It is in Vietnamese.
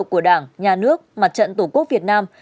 của đảng nhà nước mặt trận tổ quốc việt nam